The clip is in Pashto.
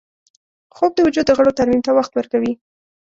خوب د وجود د غړو ترمیم ته وخت ورکوي